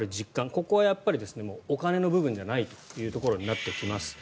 ここはやっぱりお金の部分じゃないということになってきます。